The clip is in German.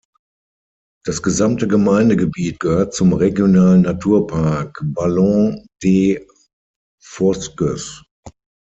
Das gesamte Gemeindegebiet gehört zum Regionalen Naturpark Ballons des Vosges.